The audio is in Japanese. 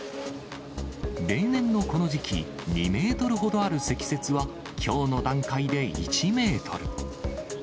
例年のこの時期、２メートルほどある積雪は、きょうの段階で１メートル。